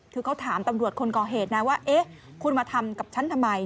คือเขาถามตำรวจคนก่อเหตุนะว่าเอ๊ะคุณมาทำกับฉันทำไม